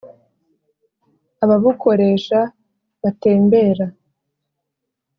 ababukoresha batembera